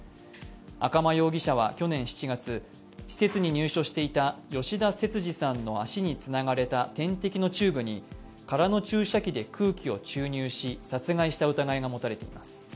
赤間容疑者は去年７月、施設に入所していた吉田節次さんの足につながれた点滴のチューブに空の注射器で空気を注入し殺害した疑いが持たれています。